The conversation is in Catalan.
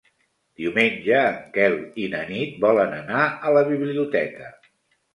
Diumenge en Quel i na Nit volen anar a la biblioteca.